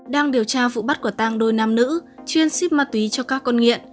đang điều tra vụ bắt quả tang đôi nam nữ chuyên ship ma túy cho các con nghiện